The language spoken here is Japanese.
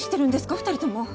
２人とも。